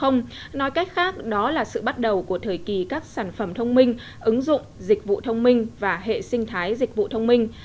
nói cách khác đó là sự bắt đầu của thời kỳ các sản phẩm thông minh ứng dụng dịch vụ thông minh và hệ sinh thái dịch vụ thông minh